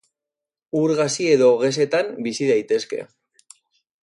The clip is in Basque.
Ur gazi edo gezetan bizi daitezke.